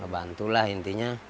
bantu lah intinya